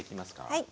はい。